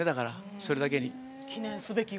それだけに。